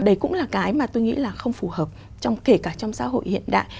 đấy cũng là cái mà tôi nghĩ là không phù hợp kể cả trong xã hội hiện đại